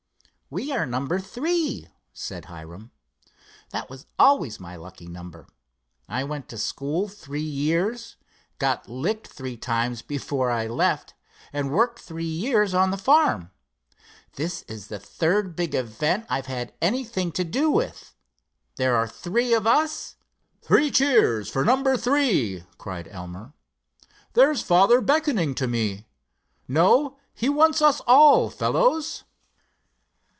"We are number three," said Hiram. "That was always my lucky number. I went to school three years, got licked three times before I left and worked three years on the farm. This is the third big event I've had anything to do with, there are three of us——" "Three cheers for number three!" cried Elmer. "There's father beckoning to me. No, he wants us all, fellows."